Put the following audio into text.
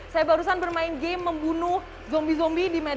saya barusan bermain game membunuh zombie zombie di medan